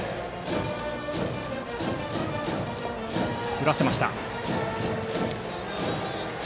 振らせました。